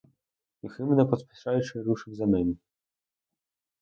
Юхим, не поспішаючи, рушив за ним.